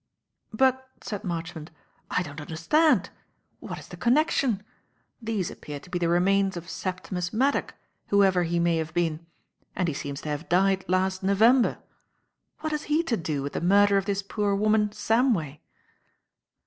"But," said Marchmont, "I don't understand. What is the connection? These appear to be the remains of Septimus Maddock, whoever he may have been, and he seems to have died last November. What has he to do with the murder of this poor woman, Samway?"